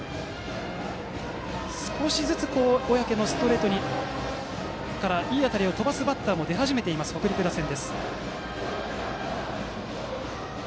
少しずつ小宅のストレートからいい当たりを飛ばすバッターも出始めている北陸打線。